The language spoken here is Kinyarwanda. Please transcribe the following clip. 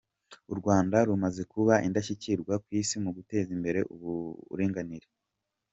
U Rwanda rumaze kuba indashyikirwa ku Isi mu guteza imbere uburinganire.